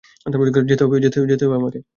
যেতে হবে আমাকে।